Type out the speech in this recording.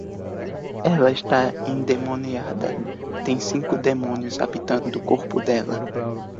Ela está endemoniada, tem cinco demônios habitando o corpo dela